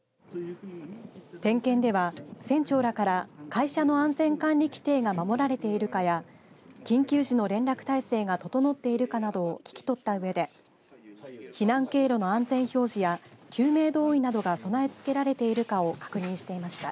点検では船長らから会社の安全管理規定が守られているかや緊急時の連絡体制が整っているかなどを聞き取ったうえで避難経路の安全表示や救命胴衣などが備え付けられているかを確認していました。